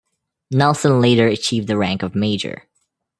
Nelson later achieved the rank of major.